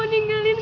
tapi gak mau ikut